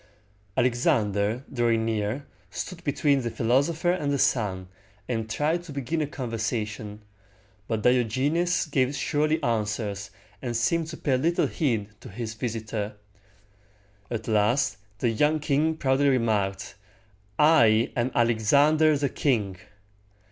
Alexander, drawing near, stood between the philosopher and the sun, and tried to begin a conversation; but Diogenes gave surly answers, and seemed to pay little heed to his visitor. At last the young king proudly remarked, "I am Alexander the king!"